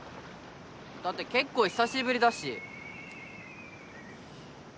だって結構久しぶりだし。